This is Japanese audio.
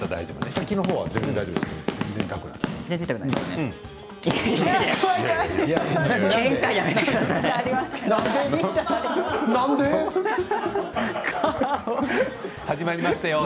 先のほうは全然大丈夫ですね。